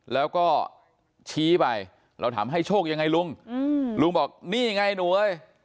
แล้วก็ชี้ไปเราถามให้โชคยังไงลุงลุงบอกนี่ไงหนูเอ้ย